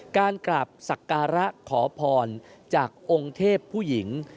การกราบสักการะขอพรจากองค์เทพผู้หญิง